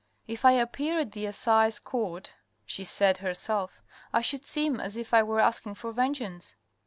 " If I appear at the assize court," she said to herself, " I should seem as if I were asking for vengeance."